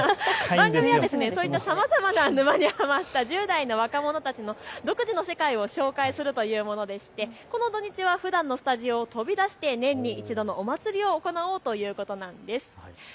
番組はそういったさまざまな沼にハマった１０代の若者たちの独自の世界を紹介するというものでしてこの土日はふだんのスタジオを飛び出して年に１度のお祭りを行おうということなんです。